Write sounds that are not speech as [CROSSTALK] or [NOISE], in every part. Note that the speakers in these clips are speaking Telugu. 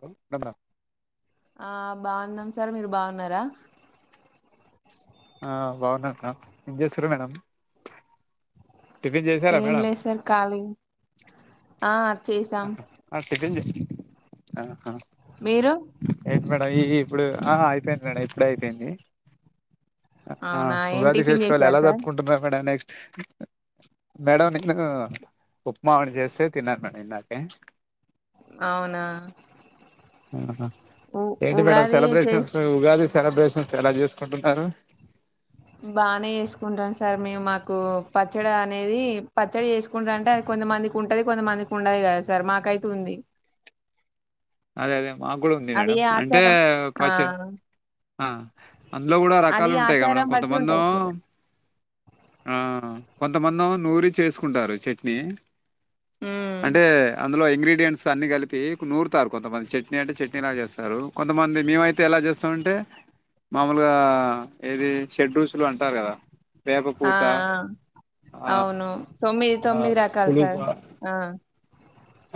హమ్ [UNINTELLIGIBLE] ఆ బాన్నాం సార్ మీరు బాన్నారా ఆ బాగున్నాం మేడం ఏం చేసారు మేడం టిఫిన్ చేసారా ఏం మేడం లేదు సార్ ఖాళీ ఆత్ ఆ టిఫిన్ జె ఆ ఆ మీరు మేడం ఈ ఈ ఇప్పుడు ఆ అయిపేయింది మేడం ఇప్పుడే అయిపేయింది ఆ అవునా ఏం ఉగాదికి టిఫిన్ ఫెస్టివల్ చేశారు ఎలా సార్ జరుపుకుంటున్నారు మేడమ్ నెక్స్ట్ మేడం నేను ఉప్మా చేస్తే తిన్నాను మేడం నాక్ కే అవునా ఆహా ఉ ఏంటి మేడం ఉగాది చే సెలబ్రేషన్సు ఉగాది సెలబ్రేషన్ ఎలా చేసుకుంటున్నారు బానే చేసుకుంటాం సార్ మేము మాకు పచ్చడి అనేది పచ్చడి చేసుకుంటాం అంటే అది కొ కొంతమందికి ఉంటది కొంతమందికి ఉండదు కదా సార్ మాకైతే ఉంది అదే అదే మాకు కూడా ఉంది అది మేడం ఏ అంటే ఆచారం ఆ పచ్చే ఆ అందులో కూడా అది రకాలు ఉంటాయి కా ఆచారం మేడం బట్టి కొంతమందొ ఉంటది సార్ ఆ కొంతమందొ నూరి చేసుకుంటారు చట్నీ ఉమ్ అంటే అందులో ఇంగ్రీడ్ డియన్స్ అన్ని కలిపి నూర్ తార్. కొంతమంది చట్నీ అంటే చట్నీ లా చేస్తారు కొంతమంది మేమైతే ఎలా చేస్తామంటే మామూలుగా ఏది షడ్రుచులు అంటారు కదా ఆ ఆ వేపపూత ఆ అవును తొమ్మిది ఆ తొమ్మిది రకాలు పులుప సార్ ఆ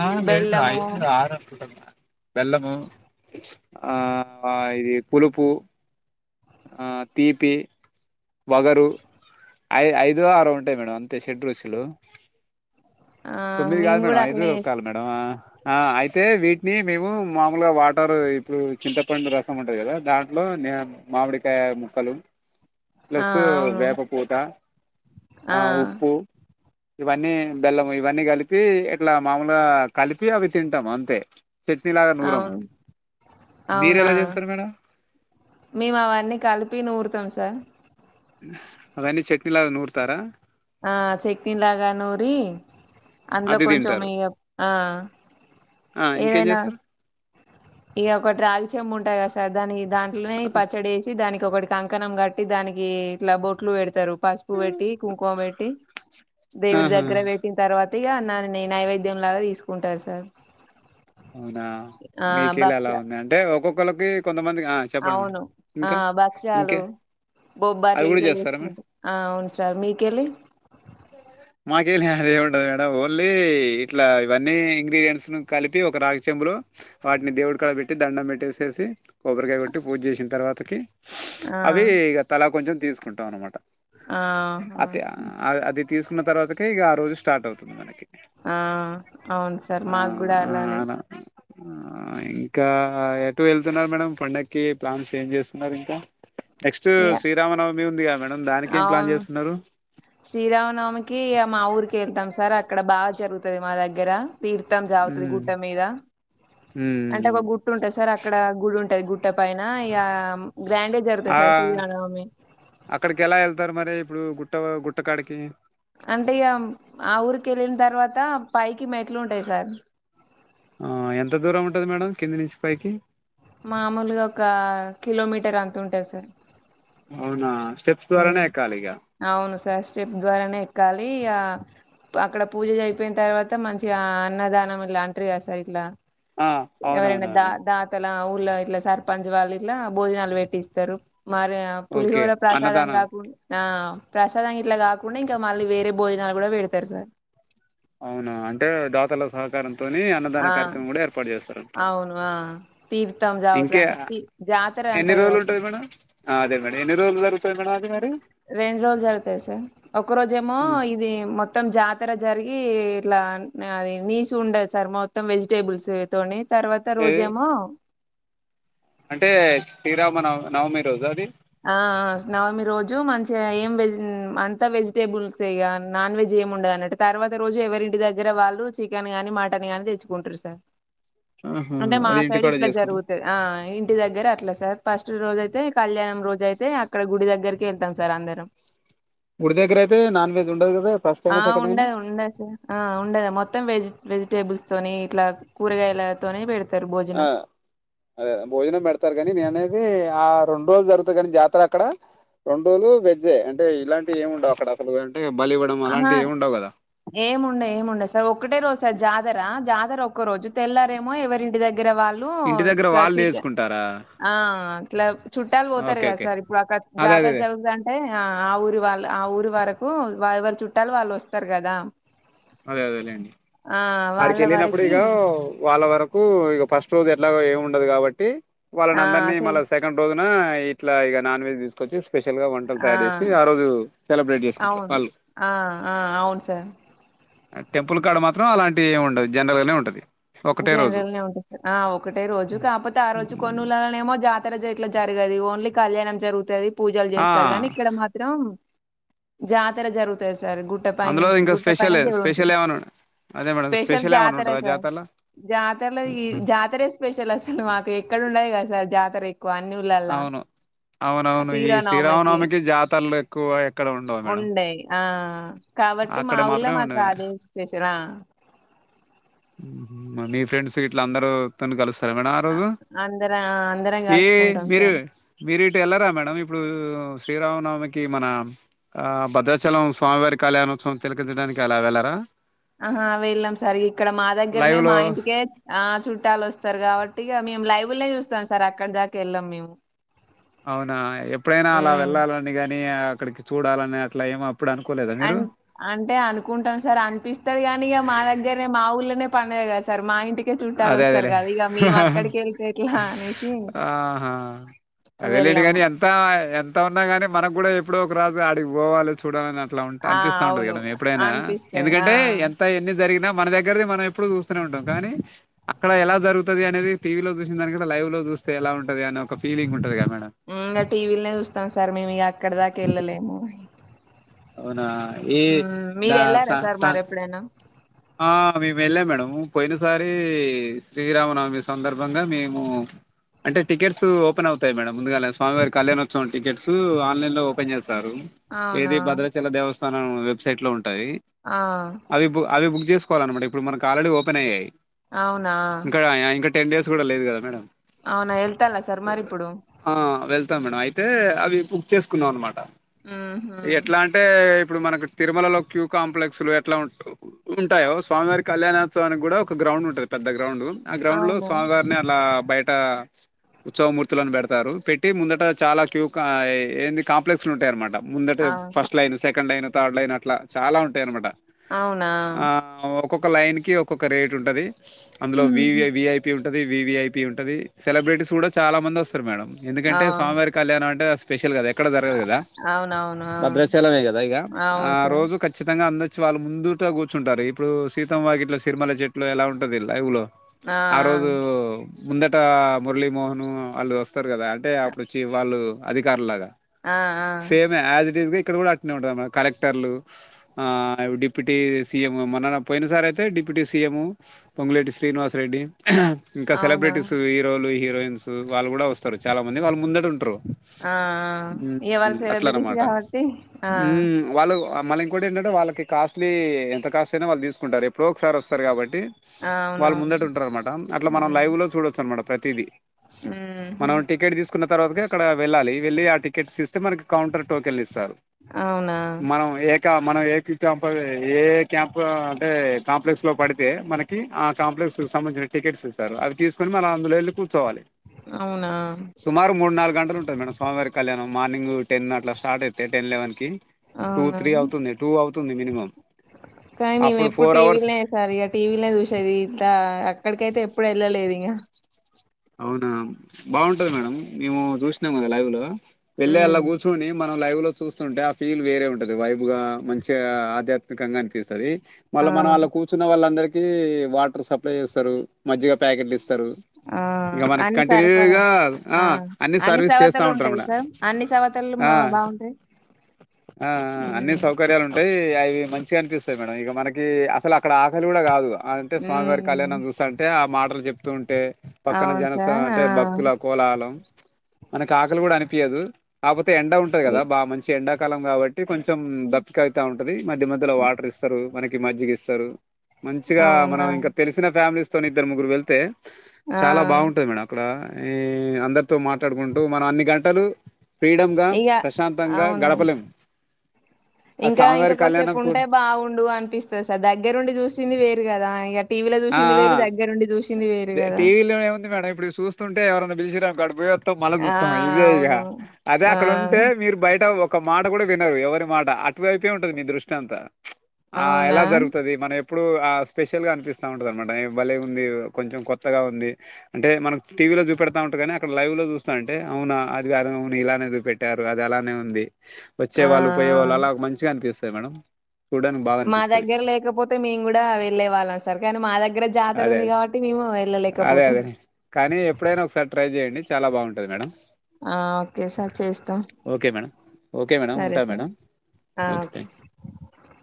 ఆ లేదు బెల్లము ఐదున్నర ఆరున్నర [INAUDIBLE] బెల్లము ఆ ఇది పులుపు అ తీపి వగరు ఐ ఐదో ఆరో ఉంటాయి మేడం అంతే షడ్రుచులు ఆ తొమ్మిది కాదు మేము మేడం కూడా ఐదు అట్లనే రకాలు మేడం ఆ అయితే వీటిని మేము మామూలుగా వాటర్ ఇప్పుడు చింతపండు రసం ఉంటుంది కదా దాంట్లో నేన్ మామిడికాయ ముక్కలు ఆ ప్లస్సు అవును వేపపూత ఆ ఉప్పు ఇవన్నీ బెల్లం ఇవన్నీ కలిపి ఇట్లా మామూలుగా కలిపి అవి తింటాం అంతే చట్నీ లాగా నూరము అవును మీరు అవునా ఎలా చేస్తారు మేడం మేము అవన్నీ కలిపి నూరుతాం సార్ అవన్నీ చట్నీల నూరుతారా అ చట్నీ లాగా నూరి అందులో అది కొంచెం తింటారు ఇగా ఆ ఆ ఇంకేం ఏదైనా చేస్తారు ఇక ఒకరాగి చెంబు ఉంటాయి కదా సార్ దాని దాంట్లోనే పచ్చడి వేసి దాని ఒకటి కంకణం కట్టి దానికి ఇట్లా బొట్లు పెడతారు పసుపు పెట్టి కుంకుమ పెట్టి దేవుడి ఆహా దగ్గర పెట్టిన తర్వా తీగా నది నై నైవేద్యం లాగా తీసుకుంటారు సార్ ఆ ఆ మీకు కిలా భక్ష ఎలా ఉంది అంటే ఒక్కొక్కళ్ళకి కొంతమంది అవును ఆ భక్ష్యాలు ఇంకే అవి బొబ్బాట్లు కూడా ఇట్లే చేస్తారా చేసు మేడం ఆ అవును సార్ మీకెళ్ళి మాకేం ఏమి ఉండదు మేడం ఓన్లీ ఇట్లా ఇవన్నీ ఇంగ్రీడియంట్స్ ను కలిపి పెట్టి ఒక రాగి చెంబులో వాటిని దేవుడి కాడా పెట్టి దండం పెట్టేసేసి కొబ్బరికాయ పెట్టి పూజ చేసిన తర్వాతకి ఆ అవి ఇగ తలా కొంచెం తీసుకుంటాం అన్నమాట ఆహా అది అది తీసుకున్న తర్వాతక ఇగ ఆ రోజు స్టార్ట్ అవుతుంది మనకి ఆ అవును సార్ ఆ, మాకు కూడా ఆ, అలానే అలా ఆ ఇంకా ఎటు వెళ్తున్నారు మేడం పండగక్కి ప్లాన్స్ ఏం చేస్తున్నారు ఇంకా నెక్స్ట్ ఇగ శ్రీరామనవమి ఉందిగా మేడం దానికి ఏం ప్లాన్ అవును చేస్తున్నారు శ్రీరామనవమికి మా ఊరికి వెళ్తాం సార్. అక్కడ బాగా జరుగుతుంది మా దగ్గర తీర్థం జాగుతుంది ఉమ్ గుట్ట మీద అంటే ఉమ్ ఒక గుట్ట ఉంటుంది సార్ అక్కడ గుడి ఉంటది గు ట్ట పైన ఇక గ్రాండ్ గా జరుగుతంది ఆ సార్ శ్రీరామనవమి. ఎక్కుతారు మరి ఇప్పుడు గుట్ట గుట్టకాడికి అంటే ఇగ ఆ ఊరికి వెళ్ళిన తర్వాత పైకి మెట్లు ఉంటాయి సార్ ఆ ఎంత దూరం ఉంటంది మేడం కింది నుంచి పైకి మామూలుగా ఒక కిలోమీటర్ అంత ఉంటది సార్ అవునా స్టెప్స్ ఉ. ద్వారానే ఎక్కాలి ఇక అవును సార్ స్టెప్ ద్వారానే ఎక్కాలి ఆ అక్కడ పూజ అయిపోయిన తర్వాత మంచి అన్నదానం ఇలా అంటారు కద సార్ ఇట్లా ఆ ఎవరైనా దా అవునవునవును దాతల ఊరు ఇలా సర్పంచ్ వాళ్ళు ఇట్లా భోజనాలు పెట్టిస్తారు మరి ఓకే పులిహోర ప్ర సాదం అన్నదానం కాకుండా ఆ ప్రసాదానికి ఇట్లా కాకుండా ఇంకా మళ్ళీ వేరే భోజనాలు కూడా పెడతారు సార్ అవునా అంటే దాతల సహకారం తోని అన్నదాన ఆ కార్యక్రమం కూడా ఏర్పాటు చేస్తారంటారు అవును ఆ తీర్థం జాగుతది ఇంకే అంటే తీ- జాతర ఎన్ని అంటారు రోజులు కదా ఉంటాయి మేడం. అదే మరి ఎన్ని రోజులు జరుగుతాది మేడం అది మరి రెండు రోజులు జరుగుతాయి సార్ ఒక రోజేమో ఉమ్. ఇది మొత్తం జాతి జాతర జరిగి ఇట్లా అది నీసు ఉండదు సార్ మొత్తం వెజిటేబుల్స్ తోని తర్వాత ఏది రోజేమో అంటే శ్రీరామనవ నవమి రోజు అది ఆ నవమి రోజు మంచిగా ఏం వెజ్ అంతా వెజిటేబుల్సే ఇగ నాన్ వెజ్ ఏమి ఉండదన్నట్టు తర్వాత రోజు ఎవరింటి దగ్గర వాళ్ళు చికెన్ గా మటన్ గానీ తెచ్చుకుంటారు సార్ ఆహా, అంటే మా అది సైడ్ ఇంటికాడ ఇట్లా చేసుకుంటాం జరుగుతది ఆ ఇంటి దగ్గర అట్లా సార్ రోజ అయితే కళ్యాణం రోజ అయితే అక్కడ గుడి దగ్గరకి వెళ్తాం సార్ అందరం గుడి దగ్గర అయితే నాన్ వెజ్ ఉండదు కదా ఫస్ట్ ఆ అయినా సెకండ్ అయినా ఉండదు ఉండదు సార్ ఆ ఉండదు మొత్తం వెజి వెజిటేబుల్స్ తోని ఇట్లా కూరగాయలతోనే పెడుత ఆ అదే భోజనం పెడతారు కాని నేను అనేది అది ఆ రెండు రోజులు జరుగుతది కానీ జాతర అక్కడ రెండూ రోజులు వెజ్జె అంటే ఇలాంటివి ఏమి ఉండవు అక్కడ అసలు బలి ఇవ్వడం ఆహా అలాంటివి ఏమి ఉండవు కదా ఏముండయ్ ఏముండయ్ సార్ ఒక్కటే రోజు సార్ జాతర జాతర ఒక రోజు తెల్లారేమో ఎవరింటి దగ్గర వాళ్ళు ఇంటి దగ్గర ఇట్లా వాళ్ళు చీకె చేసుకుంటారా ఆ ఇట్లా చుట్టాలు పోతారు ఓకే కదా ఓకే సార్ ఇప్పుడు అక్కడ అదే జాతర అదేదే జరుగుతాంటే ఆ ఊరు వాళ్ళు ఆ ఊరు వరకు ఎవరి చుట్టాలు వాళ్ళు వస్తారు కదా అదే అదేలేండి ఆ అడికి వాళ్ళ వెళ్ళినప్పుడు వరకి ఇగ వాళ్ళ వరకు కు ఫస్ట్ రోజు ఎట్లా ఏమి ఉండదు కాబట్టి. వాళ్ళని ఆ అందరినీ సరే మళ్ళ సెకండ్ రోజున ఇట్లా ఇగ నాన్ వెజ్ తీసుకొచ్చి స్పెషల్ గా వంటలు తయారు చేసి ఆ రోజు సెలబ్రేట్ చేసుకుంటారు అవును వాళ్ళు ఆ ఆ అవును సార్ టెంపుల్ కాడ మాత్రం అలాంటి ఏమి ఉండదు, జనరల్ గానే ఉంటది. జనరల్ ఉంటుంది సార్ ఆ ఒకటే రోజు కాకపోతే ఆ రోజు కొన్ని ఊల్లళ్లలోనే ఏమో జాతర ఆరోజు ఇట్ల జరగదు ఓన్లీ కళ్యాణం జరుగుతది పూజలు ఆ చేస్తారు కానీ ఇక్కడ మాత్రం జాతర జరుగుతది సార్ గుట్ట అందులో పైనంచి ఇంకా గుట్ట పైన స్పెషల్ ద దేవుడు స్పెషల్ ఉంటుంది ఏమన్నా అదే మేడం స్పెషల్ ఏమన్నా జాతర ఉంటదా సార్ జాతరలో జాతరలో జాతర స్పెషల్ అసలు మాకు ఎక్కడ ఉండదు కద సార్ జాతర అన్ని ఉల్లాల్ల అవును అవునవును ఈ శ్రీరామనవమికి జాతరలు ఎక్కువ ఎక్కడ ఉండవు మేడం ఉండ ఆ కాబట్టి మా అక్కడ ఊళ్ళ మాత్రమే మాకు ఉండది కాదే స్పెషరా మీ ఫ్రెండ్స్ ఇట్లా అందరుూని కలుస్త అందర ఆ! అందరం ఈ గలుసుకుంటాం మీరు సార్. మీరి ఇటు ఎలరా మేడం ఇప్పుడు శ్రీరామనవమికి మన ఆ భద్రాచలం స్వామివారి కళ్యాణోత్సవం తిలకంచయడానికి అలా వెళ్లరా ఆహ వెళ్ళాం సరి ఇక్కడ మా దగ్గరనే లైవ్ మా లో ఇంటికే ఆ చుట్టాలు వస్తా స్తారు కాబట్టి మే లైబుల్నే చూస్తాం సార్ అక్కడ దాకా వెళ్ళాం మేము అవునా ఎప్పుడైనా అలా హ్మ్. వెళ్ళాలంని గాని అక్కడికి చూడాలని అట్లా ఏమ అ అంటే అనుకుంటాం సార్ అనిపిస్తది కాని ఇక మా దగ్గరనే మా ఊళ్ళనే పండది కదు సార్ మా ఇంటికే చుట్టాలు అదే వస్తారు అదేలే కదా ఇక మేము అక్కడికి వెళ్తే ఎట్లా అనేసి ఆహా అదేలేండి వెళ్ళము. కాని ఎంత ఎంత ఉన్నా గాని మనకు కూడా ఎప్పుడో ఒక రాజు అడిగి పోవాలి చూడాలని అ ఇట్లా ఉంట ఆ! అనిపిస్తా ఉంటది అవును. కదా ఎప్పుడైనా అనిపిస్తాయి. ఆ! ఎందుకంటే ఎంత ఎన్ని జరిగిన మన దగ్గరది మనం ఎప్పుడు చూస్తూనే ఉంటాం కానీ అక్కడ ఎలా జరుగుతుది అనేది టీవీ లో చూసిన దానిక లైవ్ లో చూస్తే ఎలా ఉంటది అనే ఒక ఫీలింగ్ ఉంటది కాబట్టి ఇ ఇంకా టీవీలనే చూస్తాం సార్ మేము ఇ అక్కడ దాకా వెళ్ళలేము అవునా ఏ ద మీరెళ్లారా సా సార్ సా మరెప్పుడైనా? ఆ మేము వెళ్ళా మేడ పోయినసారి శ్రీరామనవమి సందర్భంగా మేము అంటే టికెట్ ఓపెన్ అవుతా మేడంందుగా స్వామివారి కళ్యాణోత్సం టికెట్స్ ఆన్లైన్ లో పె చేస్తయి అవునా! ఏది భద్రాచల దేవస్థానం వెబ్సైట్ లో ఉంటాయి ఆ! అవి అవిు చేసుకోవలన్నమాటప్పుడు మన ఆల్రెడీ ఓపెన్య్యాయి అవునా టెన్ డేస్ కూడా లేదు కదా మే అవునా వెళ్తాలా సార్ మరి ఇప్పుడు వెళ్తా మే అే అవి బుక్ చేసుకున్నాం అనమాట ఉహు ఎట్లా అంటే ఇప్పుడు మనకి తిరుమలలో క్యూ కాంప్లెక్స్ లు ఎట్లా ఉ ఉంటాయో స్వామివారికి కళ్యాణోత్సవానికి కూడా ఒక గ్రౌండ్ ఉంటంది పెద్ద గ్రౌండ్ ఆ గ్రౌండ్ లో అవునా స్వామివారిని అలా బయట ఉత్సవమూర్తులను పెడతారు పెట్టి ముందట చాలా క్యూ ఏన్ని కాంప్లెక్స్ లు ఉంటాయ అన్నమాట ముందటే ఆ first line second line third line అట్లా చాలా ఉంటాయి అనమాట అవునా ఆ ఒక్కొక్క లైన్ కి ఒక్కొక్క రేట్ ఉంటది అందులో వి ఊహు. విఐపి ఉ వివిఐపి ఉంటది సెలబ్రిటీస్ కూడా చాలా మంది వస్తారు మేడం ఆ ఎందుకంటే స్వామివారి కళ్యాణం అంటే స్పెషల్ కదా ఎక్కడ జరగదు కదా అవునవును ఆ భద్రాచలమే కదా ఇక ఆ అవును సార్ రోజు ఖచ్చితంగా అందరు వాళ్ళు ముందుట కూర్చుంటారు ఇప్పుడు సీతమ్ వాగిట్లో సిర్మల చెట్లు ఎలా ఉంటుంది లైవు్లో ఆ రోజు ముందట మురళీ మోహన్ వాళ్ళు వస్తారు కదా అంటే అప్పుడు వచ్చి వాళ్ళు అధికారు లాగా ఆ ఆ ఆ, సేమ్జ్స్ ఇక్కడ కూడా అటె ఉంట కలెక్టర్లు ఆడి డిప్యూటీ సీఎం మన పోయిన సార్ అయితే డిప్యూటీ సీఎం పొంగలేటి శ్రీనివాసరెడ్డి ఇంకా అవునా సెలబ్రిటీస్ హీరోలు హీరోయిన్స్ వాళ్ళు కూడా వస్తారు చాలా మంది వాళ్ళు ముందడు ఉంటారు ఆ ఇగ వాళ్ళు సెలబ్రిటీస్ అట్లన్నమాట కాబట్టి ఆ వాళ్ళు మళ్ళ ఇంకోటి ఏంటే వాళ్ళకి కాస్ట్లీ ఎంత కాస్ట్ అయినా వాళ్ళు తీసుకుంటారు ఎప్పుడో ఒకసారి వస్తారు కాబట్టి ఆ, వాళ్ళు ముందటిటు అవునవును ఉంటారు అనమాట అట్లా మనం ఉహు లైవ్ లో చూడొచ్చు అనమాట ప్రతిీదిీ మనం టికెట్ తీసుకున్న తర్వాత అక్కడ వెళ్ళాలి వెళ్ళి ఆ టికెట్ మనకి కౌంటర్ టోకెన్ ఇస్తారు అవునా మనం ఏక మనం ఏక ఏ క్యాంప్ అంటే కాంప్లెక్స్ లో పడితే మనకి ఆ కాంప్లెక్స్ క సంబంధించిన టికెట్స్ స అ తీసుకొని మనం అందులో వెళ్ి కూచోవాలి అవునా సుమారు మూడు నాలుగు గంటలు ఉంటది మేడం స్వామివారి కళ్యాణం మార్నింగ్ టెన్ అట్లా స్టార్ట్ అయితే టెన్ లెవెన్ కి టూ అవునా త్రీ అవుతుంది టూ అవుతుంది మినిమం కానీ మేము అప్పుడు ఎప్పుడు ఫోర్ అవర్స్ టీవీలనేసారు ఇక టీవీలోనే చూసేది ఇట్లా అక్కడికైతే ఎప్పుడు వెళ్ళలేదు ఇగా అవునా బాగుంటది మేడం మేము చూసినాము అది లైవ్ లో వెళ్ళి అలా కూర్చోని మ న లైవ్ లో చూస్తుంటే ఆ ఫీల్ వేరే ఉంటది. వైబ్ గా, మంచిగా, ఆధ్యాత్మికంగా అనిపిస్తది. మళ్ళ మనం ఆ అళ్ళ కూర్చున్న వాళ్ళందరికీ వాటర్ సప్లై చేస్తరు, మజ్జిగ ప్యాకెట్లు ఇస్తరు. ఆ అన్ని సరఫర ఆ అన్ని సర్వీస్ చేస్తా సవతలు ఉంటారు ఉంటాయి మేడం సార్ అన్ని సవతలు ఆ మా బాగుంటాయి ఆ ఆ అన్ని సౌకర్యాలున్ టై అవి మంచిగ అనిపిస్తయ్ మేడం ఇగ మనకీ అసలు అక్కడ ఆకలి గూడా గాదుగ అంటే స్వామివారి హ్మ్. కళ్యాణం చూస్తంటే ఆ మాటలు చెప్తూ ఉంటే పక్కన అవును జనస సార్. ఆ! అంటే భక్తుల కోలాహలం మనకి ఆకలి గూడా అనిపియదు కాపో టె ఎండ ఉంటది ఇ గదా బా మంచి ఎండాకాలం గాబ తి కొంచెం దప్పిక అయితా ఉంటది మధ్య మధ్యలో హ్మ్. వాటర్ ఇస్తరు మనకి మజ్జికి ఇస్తరు మంచిగా అవునా! మనం ఇంక తెలిసిన ఫ్యామిలీస్ తోని ఇద్దరు ముగ్గురు వెళ్తే ఆ! చాలా బాగుంటది మేడం అక్కడా ఈ అందరితో మాట్లాడుకుంటూ మనం అన్ని గంటలు ఫ్రీడంగా ఇగ ప్రశాంతంగా అవును. గడప్ ఇంకా ఇంక కొసేపు కళ్యాణం ఉంటే కూడా బాగుండు అనిపిస్తది సార్ దగ్గరుండి చూసింది వేరు గదా ఇగ టి ఆ ఆ గదా! టీవీలో ఏముంది మేడం ఇప్పుడు చూస్తుంటే ఎవరన్న పిలిచిరనుకో అడ్ బోయ్ త్తం మళ్ళ ఆ! సూత్తమా ఇదే ఇగ అవును. అదే ఆ! అక్కడ ఉంటే మీరు బయట వొ ఒక్క మాట కూడా వినరు ఎవరి మాట, అటువైపే ఉంటది మీ దృష్టి అంతా, ఆ అవునా! ఎలా జరుగుతది మనె. ఇప్పుడు ఆ స్పెషల్ గా అనిపిస్ స్తా ఉంటదనమాట భలే ఉంది, కొంచెం కొత్తగా ఉంది. అంటే మనం టీవీ లో చూపెడతా ఉంటారు కానీ అక్కడ లైవ్. లొ చూస్తాంటే అవునా [UNINTELLIGIBLE] ఇలానే చూపెట్టారు అది అలానే ఉంది ఆ! ఒచ్చేవాళ్ళు, పోయ్యే ఆ! వాళ్ళు అలా మంచిగా అనిపిస్తద్ మేడం. చూడడానికి బాగా మా అనిపిస్తది దగ్గర లేకపోతే మేం గూడా వెళ్ళే వాళ్ళం సార్ కాని మా దగ్గర జాతర అదే అదే ఉంది కాబట్టి మేము అదే అదే ఏళ్ళలేకపోతున్నా కానీ ఎప్పుడైనా ఒకసారి ట్రై జేయండి చాలా బాగుంటది మేడం ఓకే సార్ చేస్తాం ఓకే మేడం ఓకే మేడం సరే ఉంటా సార్ మేడం ఆ ఓకే